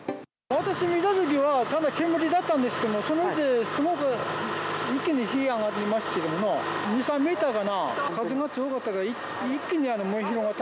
私が見たときは煙だったんですけど、そのうちすごく一気に火、上がりまして、２、３メーターかな、風が強かったから一気に燃え広がった。